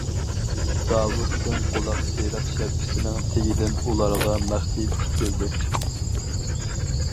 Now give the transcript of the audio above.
داۋۇت دىڭ قۇلاق سېرىق شەپكىسىنىڭ تېگىدىن ئۇلارغا مەخپىي تىكىلدى.